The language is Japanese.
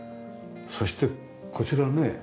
そしてこちらねえ。